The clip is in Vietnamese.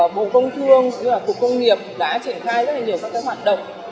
bộ công thương cục công nghiệp đã triển thai rất nhiều hoạt động